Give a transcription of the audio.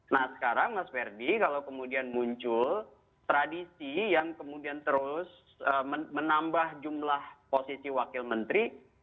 nah sekarang mas ferdi kalau kemudian muncul tradisi yang kemudian terus menambah jumlah posisi wakil menteri